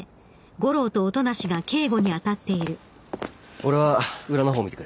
俺は裏の方見てくる。